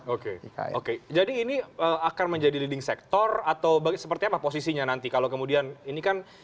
oke oke jadi ini akan menjadi leading sector atau seperti apa posisinya nanti kalau kemudian ini kan